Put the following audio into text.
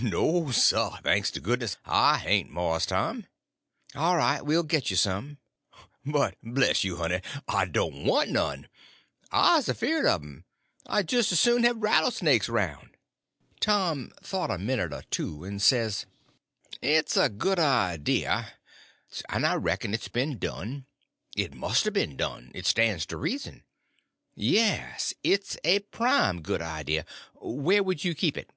"No, sah, thanks to goodness I hain't, Mars Tom." "All right, we'll get you some." "But bless you, honey, I doan' want none. I's afeard un um. I jis' 's soon have rattlesnakes aroun'." Tom thought a minute or two, and says: "It's a good idea. And I reckon it's been done. It must a been done; it stands to reason. Yes, it's a prime good idea. Where could you keep it?"